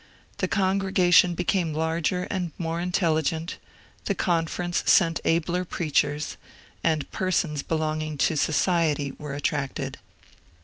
The congregation became larger and more intelligent ; the Conference sent abler preachers ; and persons belonging to ^ society ' were attracted.